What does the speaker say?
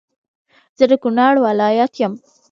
زه د کونړ ولایت یم